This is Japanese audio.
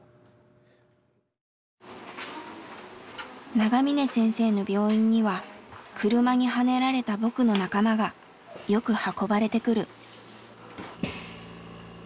長嶺先生の病院には車にはねられた僕の仲間がよく運ばれてくる。